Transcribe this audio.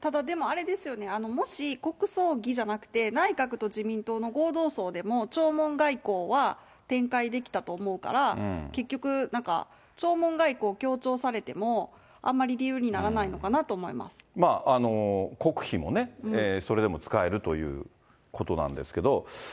ただでも、あれですよね、もし国葬儀じゃなくて、内閣と自民党の合同葬でも弔問外交は展開できたと思うから、結局、なんか、弔問外交を強調されても、あんまり理由にならないのかなと国費もね、それでもつかえるということなんですけど。